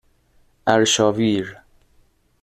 ارشاویر